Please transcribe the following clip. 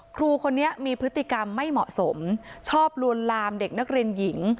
ครูคนนี้มีพฤติกรรมไม่เหมาะสมชอบลวนลามเด็กนักเรียนหญิง